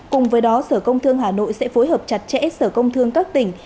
cùng với đó sở công thương hà nội sẽ phối hợp chặt chẽ sở công thương các tỉnh